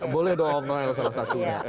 boleh dong salah satunya